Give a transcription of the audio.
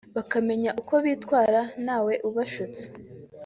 bakamenya uko bitwara ntawe ubashutse